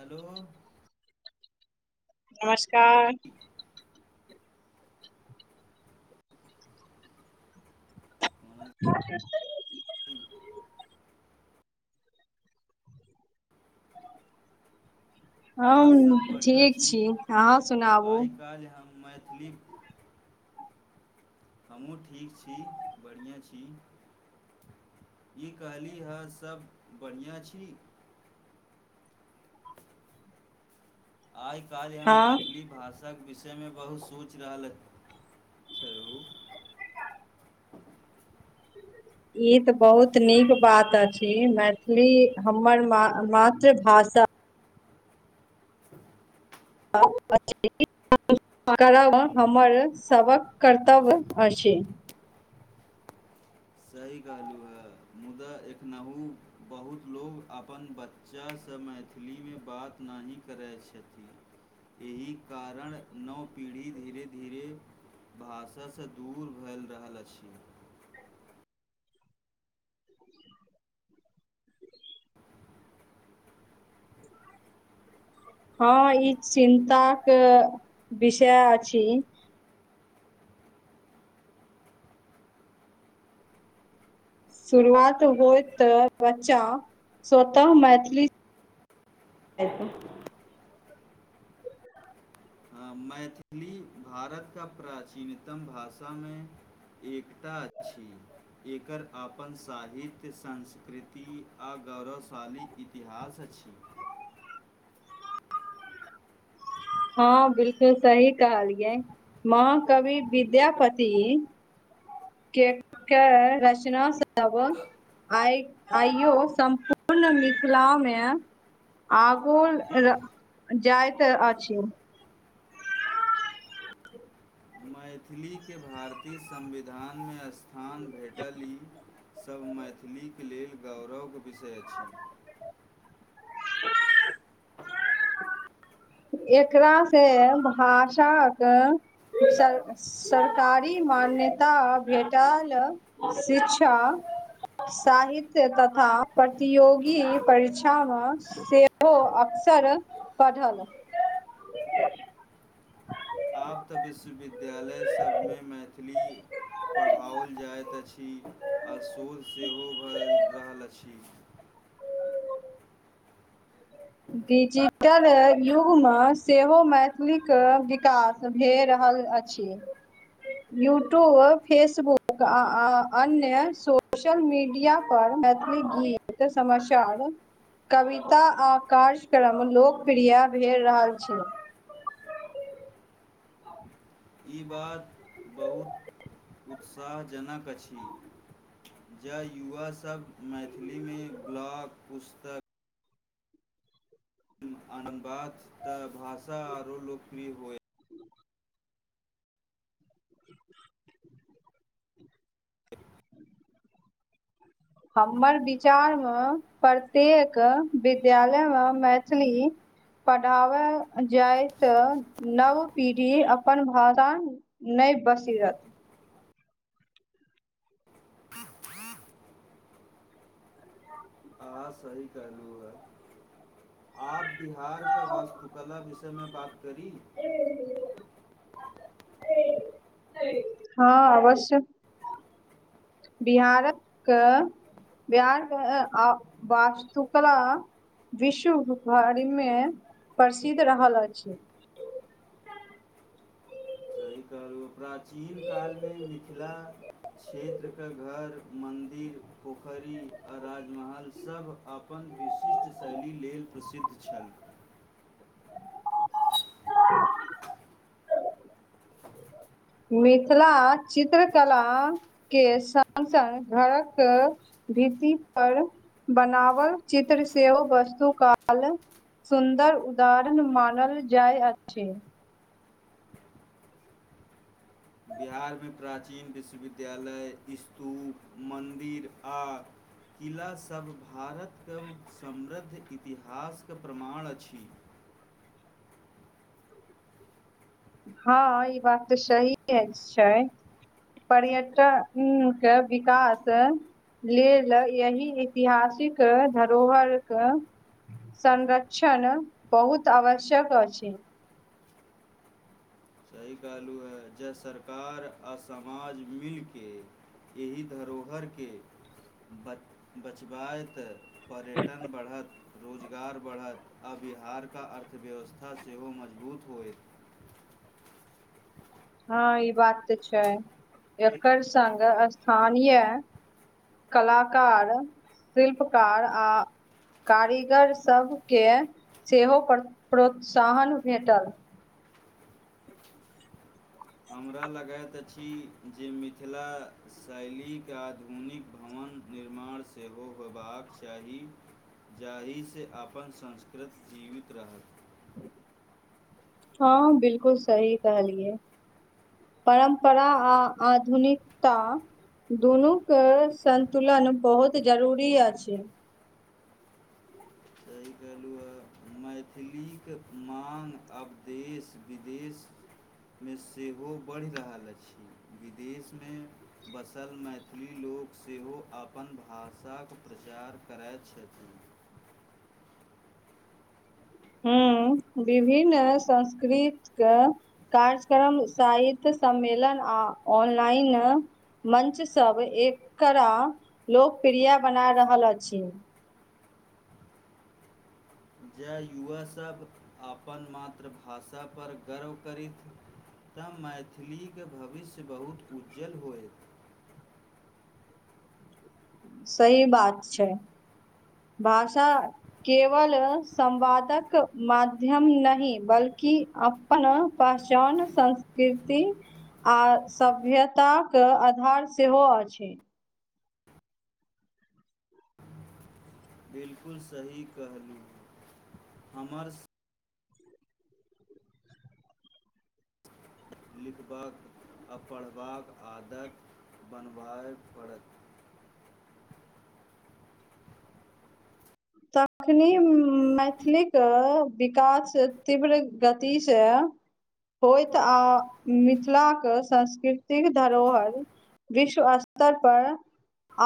Hello- नमस्कार- कोना [unintelligible] [unintelligible] हां हम सब बढ़िआँ ठीक छी। अहाँ सुनाबू आइ काज हम मैथिली- हमहूँ ठीक छी, बढ़िआँ छी। ई कहली ह सभ बढ़िआँ छी? आइ काज हम हँ मैथिली भाषा- [unintelligible] विषयमे बहुत सोचि रहल, छल ओ- ई त बहुत नीक बात अछी। मैथिली हमर मा- मातृभाषा- [unintelligible] करब हमर सबक कर्तव्य अछी। सही कहलुहहे मुदा एखनहु बहुत लोग अपन ब- चासँ मैथिलीमे बात नही करै छथि। एहि कारण नव पीढ़ी धीरे धीरे भाषासँ दूर भैल रहल अछि। हँ ई चिन्ताक विषय अछि। शुरुआत होयत तऽ बच्चा स्वतः मैथिली- [inaudible] हं मैथिली भारत का प्राचीनतम भाषामे- एकता अछि। एकर अपन साहित्य संस्कृति आ गौरवशाली इतिहास अछि। हँ बिलकुल सही कहलियै महाकवि विद्यापति- केकऽर रचना सबटा बो- आइ आइयो सम्पूर्ण मिथिला मे- आगुल र -जाइत अछि। मैथिलीके भारतीय संविधानमे अस्थ- स्थान भेटली सब मैथिलीक लेल गौरव विषय अछि। एकरा से भाषाकय सं [unintelligible] सरकारी मान्यता भेटल, शिक्षा- साहित्य तथा प्रतियोगी परीक्षाम सेहो अक्सर पढ़ल। आब तऽ विश्वविद्यालय सबमे मैथ- थिली पढ़ाओल जाइत अछि। आ शोल सेहो भऽ र-रहल अछि। [inaudible] डिजिटल युग म सेहो मैथिलीक विकास भए रहल अछि। [unintelligible] [inaudible] यूट्यूब, फेसबुक आ -आ अन्य सोशल मीडिया पर मैथिली गीत- एते समस्या आब कवि- ता -आ कार्यक्रम लोकप्रिय भेए रहल छै। ई बात बहुत उत्साहजनक अछि। जँ युवासभ मैथिलीमे, ब्लॉग, पुस्तक अनबाक तऽ भाषा आरो लोकप्रिय होए। हमर विचारमे, प्रत्येक विद्यालय मे, मैथिली पढ़ाब जाय त, नव पीढ़ी अपन भाषा नै बिसरत। ह सही कहलु है, आव बिहार के वस्तु कला विषयमे बात करी? हँ अवश्य। बिहारक के बिहार के अ वास्तुकला विश्व भरिमे प्रसिद्ध रहल अछि। सही कहलू, प्राचीन कालमे मिथिला क्षेत्र क घर मन्दिर, पोखरी, आ राजमहल सब, आब अपन विशिष्ट शैली लेल, प्रसिद्ध छल। ओऽआआ [unintelligible] मिथिला, चित्रकला के संग -संग घरक भीति पर बनावल, चित्र सेहो वस्तु काल सुन्दर उदारण मानल जाइ अछि। बिहारमे प्राचीन विश्वविद्यालय, स्तूप, मन्दिर आ किलासभ, भारत के उ समृद्ध इतिहासके, प्रमाण अछि। हँ, ई बात तऽ सही केहै छै। पर्यटन के विकास। लेल यही ऐतिहासिक धरोहरके संरक्षण बहुत आवश्यक अछि। सही कहलहुँ है, ज सरकार आ समाज मिलके एहि धरोहरे बच बचबाय तऽ पर्यटन बढ़त। रोजगार बढ़त, आ बिहारका अर्थव्यवस्था सेहो मजबूत होयत। हँ ई बात ते छै, एकर संग स्थानीये कलाकार, शिल्पकार आ कारीगरसभके, सेहो प्र प्रोत्साहन भेटत। हमरा लगैत अछि जे, मिथिला शैलीके आधुनिक भवन। निर्माण सेहो होयबाक चाही। जाहिसँ अपन संस्कृत जीवित रहत। हँ 'बिलकुल' सही कहलियए। परम्परा आ आधुनिकता। दुनूके सन्तुलन बहुत जरूरी अछि। [inaudible] सही कहलू है म मैथिलीक माँग, आब देश -विदेश मे सेहो बढ़ि रहल अछि, विदेशमे बसल मैथिली लोक, सेहो अपन भाषाक प्रचार करैत छथिन। हूं विभिन्न संस्कृत के कार्यक्रम, साहित्य सम्मेलन, आ ऑनलाइन मञ्चसभ एकरा लोकप्रिय बना रहल अछि। जँ युवासभ अपन मातृभाषापर गर्व करथि! तऽ मैथिलीके भविष्य बहुत उज्ज्वल होयत। सही बात छै, भाषा केवल संवादक माध्यम नहि, बल्कि अप अपना पहचान, संस्कृति आ सभ्यताक आधार सेहो अछि। 'बिलकुल' सही कहलु, हमर लिखबाक आ पढ़बाक आदत बनबय पड़त। तखने मैथिलीक विकास, तीव्र गतिसँ होइत, आ मिथिलाके सास्कृतिक धरोहर विश्व स्तर पर,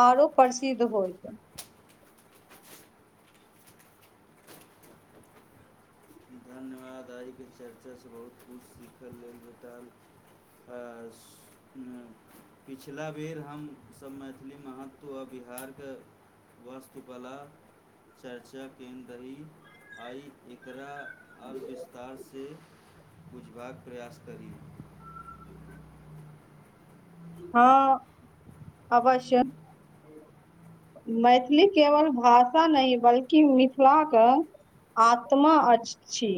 आरो प्रसिद्ध होइत। धन्यवाद [unintelligible] बादारीके चर्चासँ बहुत किछु सीखल लेल भेटल। पिछिला बेर हम सभ, मैथिली महत्व आओ बिहारके वास्तुकला चर्चा केन्दी आई एकरा अ विश्व विस्तारसँ बुझबाक प्रयास करी। हँ 'अवश्य'। मैथिली केवल भाषा नहि, बल्कि मिथिलाके आत्मा अछि,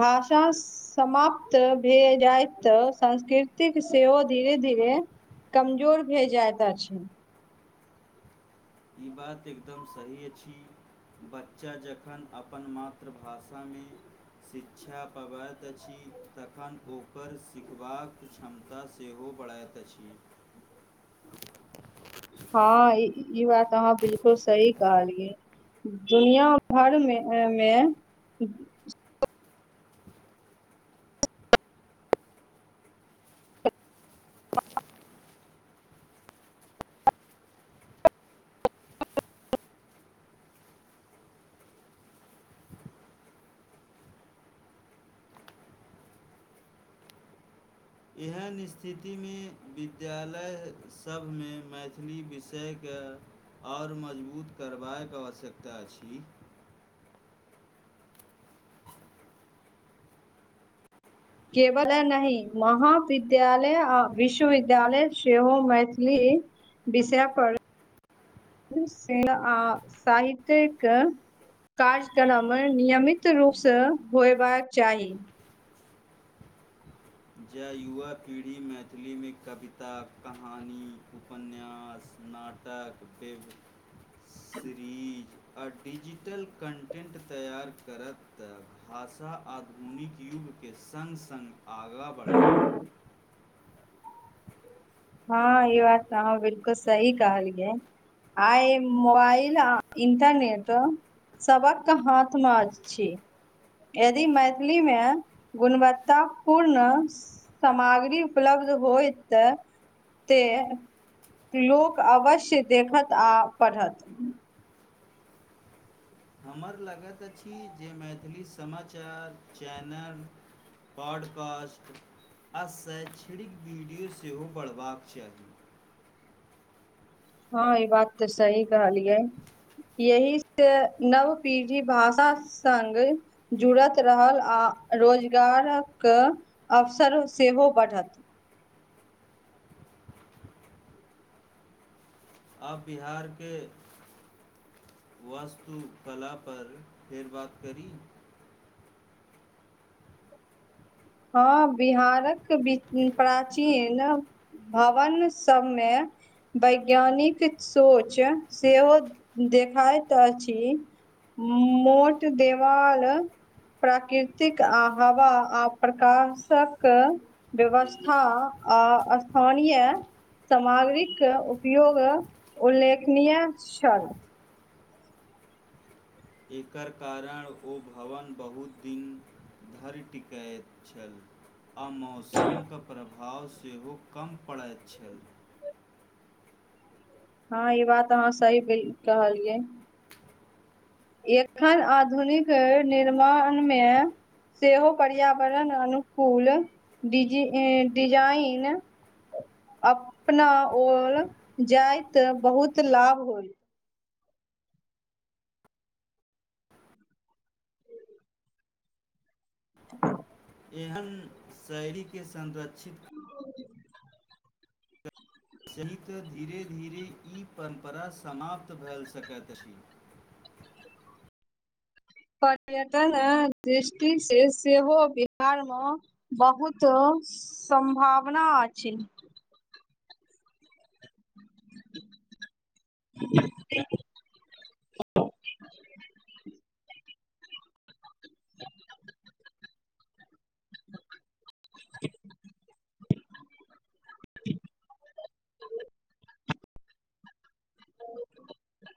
भाषा समाप्त भए जाइत तऽ, संस्कृतिक सेहो धीरे -धीरे कमजोर भए जायइत अछि छै। ई बात एकदम सही अछि। बच्चा जखन अपन मातृभाषामे शिक्षा पवैत अछि, तखन ओकर सिखबाक क्षमता क्षमता सेहो बढ़ाइत अछि। हँ ई बात अहाँ! 'बिलकुल' सही कहलियै। दुनिया भरमे मे एहन स्थितिमे, विद्यालय सभ मे मैथिली विषयके आओर मजबूत करबाक आवश्यकता अछि। केवल नहि, महाविद्यालय आ विश्वविद्यालय सेहो मैथिली विषय पर, से आ साहित्यिक। [unintelligible] कार्यक्रम नियमित रूपसँ होयबाक चाही। ज युवा पीढ़ी मैथिलीमे, कविता, कहानी, उपन्यास, ना टक, बेब सरीज। [inaudible] आ डिजिटल कन्टेन्ट तैआार करत तऽ, भाषा आधुनिक युग के संग -संग आगाँ बढ़त। [inaudible] हँ ई बात तऽ अह 'बिलकुल' सही कहलियै। आइ मोबाइल आ इंटरनेट। सबक हाथ मे अछि। यदि मैथिलीमे गुणवत्ता पूर्ण सामग्री उपलब्ध होयतऽ ते। लोक अवश्य देखत आ पढ़त। हमर लगैत अछि जे मैथिली समाचार चैनल। पॉडकास्ट आ शैक्षणिक वीडियो सेहो बढ़बाक चाही। [unintelligible] हँ ई बात तऽ सही कहलियै। यहि से नव पीढ़ी भाषाक संग- जुड़त रहल आ रोजगारक अवसर सेहो बढ़त। आब बिहारके- [unintelligible] वास्तुकला पर फेर बात करी? [unintelligible] हँ बिहारक बि-प्राचीन। भवन सबमे- वैज्ञानिक सोच सेहो देखाइत अछि। मो-मोट देवाल, प्राकृतिक आ हवा। प्रकाशक व्यवस्था आ स्थानीय- समाग्रीके उपयोग उल्लेखनीय छल। एकर कारण ओ भवन बहुत दिन- धरि टिकइत छल। आ मौसमके प्रभाव सेहो कम पड़ैत छल। हँ ई बात अहाँ सही कहलियै। एखन आधुनिक निर्माण मे- सेहो पर्यावरण अनुकूल डिजी- ए- डिजाइन- अपना ओर जायत बहुत लाभ होय। [inaudible] एहन शैरी के संरक्षित। [unintelligible] सहित धीरे धीरे ई पंपरा समाप्त भैल सकैत अछि। पर्यटन दृष्टिसँ सेहो बिहारमे- बहुत सम्भावना अछि। [unintelligible] [unintelligible] [unintelligible] [unintelligible]